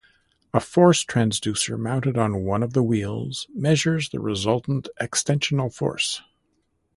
A force transducer mounted on one of the wheels measures the resultant extensional force.